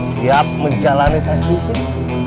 siap menjalani tes fisik